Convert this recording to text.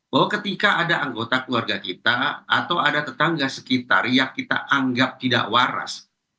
bahwa ketika ada anggota keluarga kita atau ada tetangga sekitar yang kita anggap tidak waras